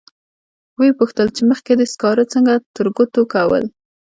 و یې پوښتل چې مخکې دې سکاره څنګه ترګوتو کول.